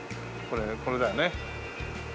これだよね。